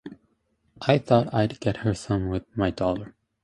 I thought I'd get her some with my dollar.